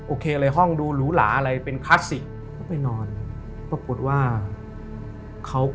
โอเคอะไรห้องดูหรูหลาอะไรเป็นคัสสิก